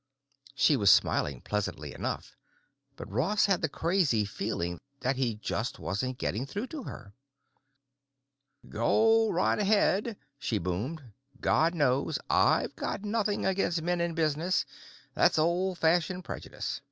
She was smiling pleasantly enough, but Ross had the crazy feeling that he just wasn't getting through to her. "Go right ahead," she boomed. "God knows, I've got nothing against men in business; that's old fashioned prejudice.